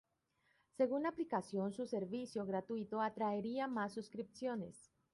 Según la aplicación, su servicio gratuito atraería más suscripciones.